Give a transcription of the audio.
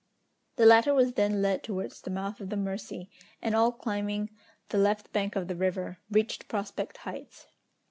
The latter was then led towards the mouth of the Mercy, and all climbing the left bank of the river, reached Prospect Heights.